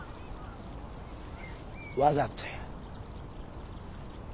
わざとや。